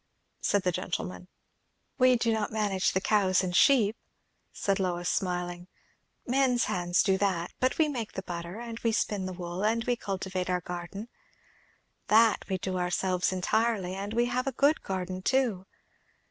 said the gentleman. "We do not manage the cows and sheep," said Lois, smiling; "men's hands do that; but we make the butter, and we spin the wool, and we cultivate our garden. That we do ourselves entirely; and we have a good garden too.